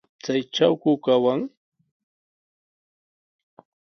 ¿Chaytrawku kawan?